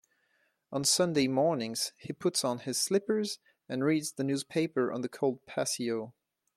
On Sunday mornings, he puts on his slippers and reads the newspaper on the cold patio.